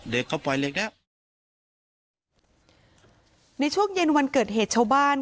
เด็กเขาปล่อยเหล็กแล้วในช่วงเย็นวันเกิดเหตุชาวบ้าน